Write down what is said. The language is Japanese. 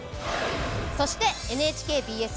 そしてＮＨＫＢＳ